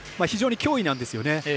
非常に脅威なんですよね。